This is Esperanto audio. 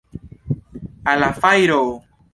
Al la fajro!